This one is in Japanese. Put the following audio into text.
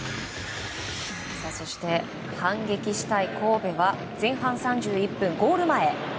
そして反撃したい神戸は前半３１分、ゴール前。